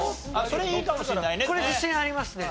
それいいかもしれないね。